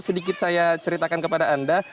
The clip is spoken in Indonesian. sedikit saya ceritakan kepada anda